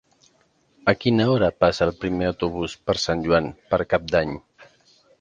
A quina hora passa el primer autobús per Sant Joan per Cap d'Any?